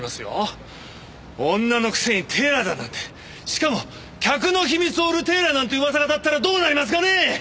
女のくせにテーラーだなんてしかも客の秘密を売るテーラーなんて噂が立ったらどうなりますかね！